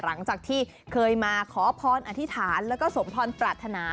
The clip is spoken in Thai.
หลังจากที่เคยมาขอพรอธิษฐานแล้วก็สมพรปรารถนา